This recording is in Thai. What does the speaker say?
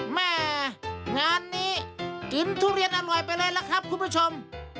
แม่งานนี้กินทุเรียนอร่อยไปเลยล่ะครับคุณผู้ชม